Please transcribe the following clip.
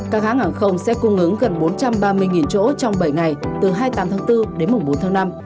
các hãng hàng không sẽ cung ứng gần bốn trăm ba mươi chỗ trong bảy ngày từ hai mươi tám tháng bốn đến mùng bốn tháng năm